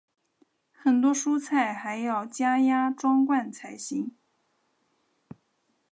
很多蔬菜还要加压装罐才行。